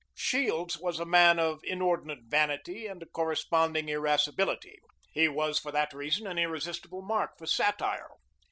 Shields was a man of inordinate vanity and a corresponding irascibility. He was for that reason an irresistible mark for satire.